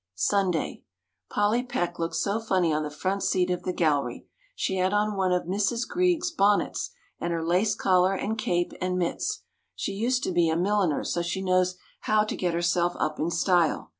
Sunday. Polly Peck looked so funny on the front seat of the gallery. She had on one of Mrs. Greig's bonnets and her lace collar and cape and mitts. She used to be a milliner so she knows how to get herself up in style.